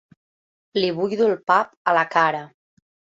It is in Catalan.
Li buido el pap a la cara.